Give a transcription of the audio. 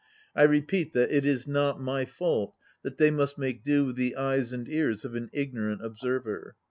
I repeat that it is not my fault that they must make do with the eyes and ears of an ignorant observer.